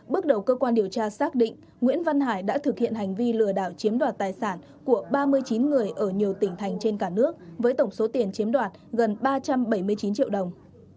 bước đầu cơ quan điều tra xác định nguyễn văn hải đã thực hiện hành vi lừa đảo chiếm đoạt tài sản của ba mươi chín người ở nhiều tỉnh thành trên cả nước với tổng số tiền chiếm đoạt gần ba trăm bảy mươi chín triệu đồng